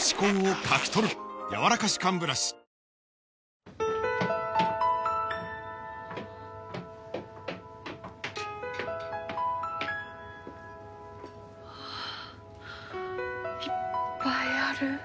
うわぁいっぱいある。